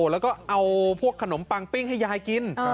แล้วก็เอาพวกขนมปังปิ้งให้ยายกิน